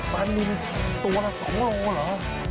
ปลานินตัวละ๒โลเหรอ